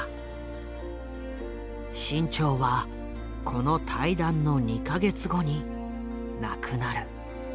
志ん朝はこの対談の２か月後に亡くなる。